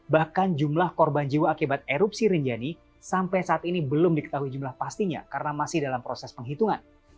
bahkan jumlah korban jiwa akibat erupsi rinjani sampai saat ini belum diketahui jumlah pastinya karena masih dalam proses penghitungan